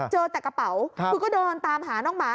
เจอแต่กระเป๋าคือก็เดินตามหาน้องหมา